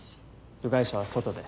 部外者は外で。